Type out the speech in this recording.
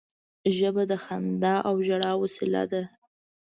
ژبه د خندا او ژړا وسیله ده